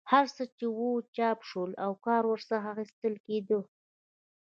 هر څه چې وو چاپ شول او کار ورڅخه اخیستل کېدی.